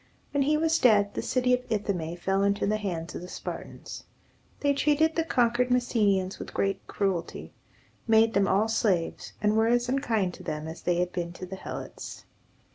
When he was dead, the city of Ithome fell into the hands of the Spartans. They treated the conquered Messenians with great cruelty, made them all slaves, and were as unkind to them as they had been to the Helots.